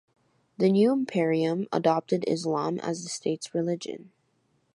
The new imperium adopted Islam as the State’s religion.